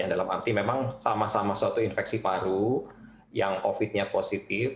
dalam arti memang sama sama suatu infeksi paru yang covid nya positif